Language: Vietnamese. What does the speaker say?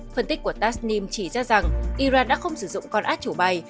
phân tích của tasnim chỉ ra rằng iran đã không sử dụng con át chủ bay